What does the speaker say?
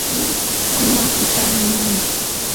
kunywa itabi n’ibindi